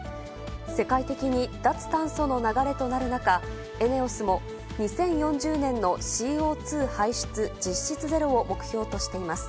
世界的に脱炭素の流れとなる中、ＥＮＥＯＳも２０４０年のＣＯ２排出実質ゼロを目標としています。